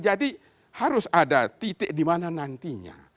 jadi harus ada titik dimana nantinya